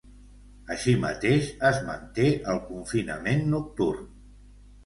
Així mateix, es manté el confinament nocturn.